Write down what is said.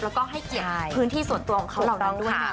แล้วก็ให้เกียรติพื้นที่ส่วนตัวของเขาเหล่านั้นด้วยนะ